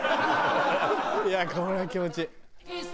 いやこれは気持ちいい。